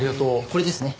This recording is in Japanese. これですね。